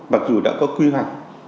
mặc dù đã có quy hoạch